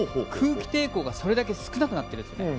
空気抵抗がそれだけ少なくなっているんですね。